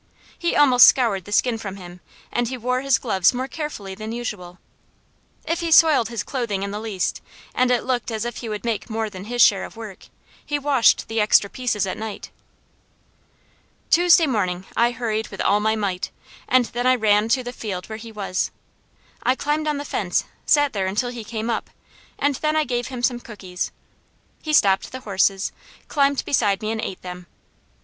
He almost scoured the skin from him, and he wore his gloves more carefully than usual. If he soiled his clothing in the least, and it looked as if he would make more than his share of work, he washed the extra pieces at night. Tuesday morning I hurried with all my might, and then I ran to the field where he was. I climbed on the fence, sat there until he came up, and then I gave him some cookies. He stopped the horses, climbed beside me and ate them.